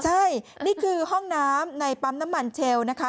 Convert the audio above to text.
ใช่นี่คือห้องน้ำในปั๊มน้ำมันเชลล์นะคะ